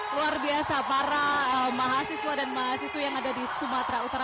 luar biasa para mahasiswa dan mahasiswi yang ada di sumatera utara